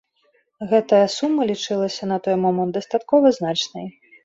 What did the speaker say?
Гэтая сума лічылася на той момант дастаткова значнай.